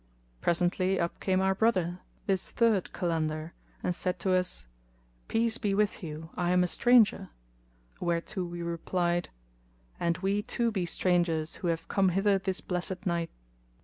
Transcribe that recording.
Presently up came our brother, this third Kalandar, and said to us, "Peace be with you! I am a stranger;" whereto we replied, "And we too be strangers, who have come hither this blessed night."